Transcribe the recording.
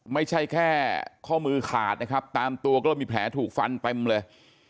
ไม่ใช่แค่ข้อมือขาดนะครับตามตัวก็มีแผลถูกฟันเต็มเลย